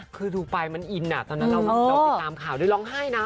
คือดูไปมันอินตอนนั้นเราติดตามข่าวด้วยร้องไห้นะ